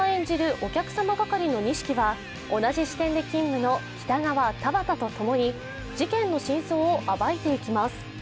お客様係の西木は同じ支店で勤務の北川田端と共に事件の真相を暴いていきます。